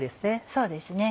そうですね。